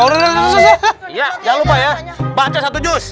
iya jangan lupa ya baca satu jus